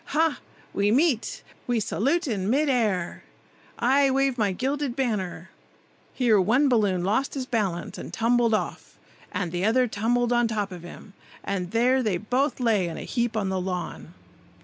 Ha! we meet! we salute in mid air. I wave my gilded banner—" Here one balloon lost his balance and tumbled off, and the other tumbled on top of him, and there they both lay in a heap on the lawn.